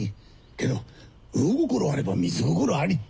けど「魚心あれば水心あり」って。